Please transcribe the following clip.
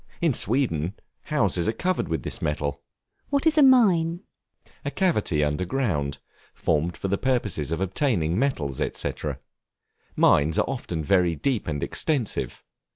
In Sweden, houses are covered with this metal. What is a Mine? A cavity under ground, formed for the purpose of obtaining metals, &c. mines are often very deep and extensive.